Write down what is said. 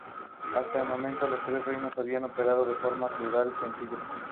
Se utiliza en golf, tee ball, fútbol americano y rugby.